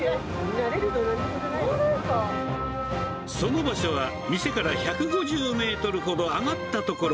その場所は店から１５０メートルほど上がった所。